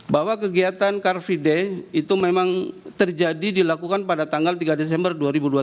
bahwa kegiatan car free day itu memang terjadi dilakukan pada tanggal tiga desember dua ribu dua puluh